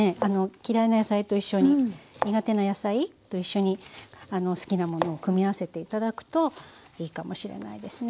嫌いな野菜と一緒に苦手な野菜と一緒に好きなものを組み合わせていただくといいかもしれないですね。